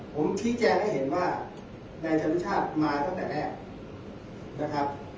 ผมพิจารณ์ให้เห็นว่านายธรรมชาติมาตั้งแต่แรกนะครับ